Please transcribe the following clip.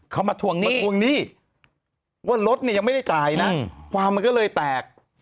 เขามาทวงเงินมาทวงหนี้ว่ารถเนี่ยยังไม่ได้จ่ายนะความมันก็เลยแตก